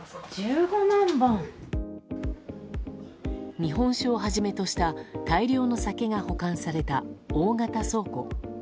日本酒をはじめとした大量の酒が保管された大型倉庫。